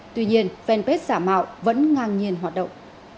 tuy nhiên fanpage giả mạo vẫn ngang nhiên hoạt động